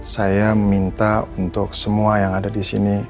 saya minta untuk semua yang ada di sini